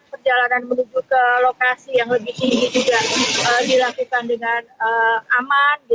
perjalanan menuju ke lokasi yang lebih tinggi juga dilakukan dengan aman